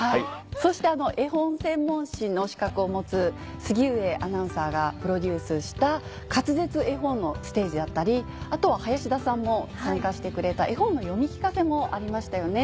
そして絵本専門士の資格を持つ杉上アナウンサーがプロデュースした滑舌絵本のステージだったりあとは林田さんも参加してくれた絵本の読み聞かせもありましたよね。